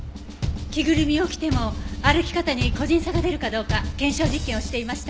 着ぐるみを着ても歩き方に個人差が出るかどうか検証実験をしていました。